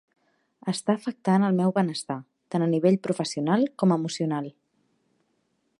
Està afectant el meu benestar, tant a nivell professional com emocional.